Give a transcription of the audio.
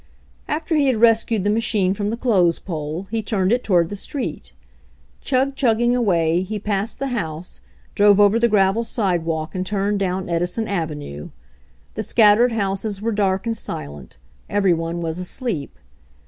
After he had rescued the machine from the clothes pole he turned it toward the street Chug chugging away, he passed the house, drove over the gravel sidewalk, and turned down Edi son avenue. The scattered houses were dark and silent; every one was asleep.